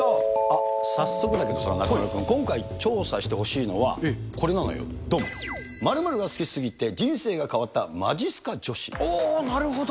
早速だけど、中丸君、今回調査してほしいのは、これなのよ、どん。○○が好きすぎで人生が変わったおー、なるほど。